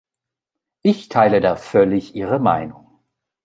Ich teile da völlig Ihre Meinung.